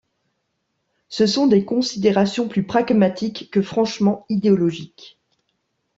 Ce sont des considérations plus pragmatiques que franchement idéologiques.